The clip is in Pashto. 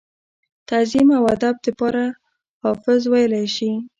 تعظيم او ادب دپاره حافظ وئيلی شي ۔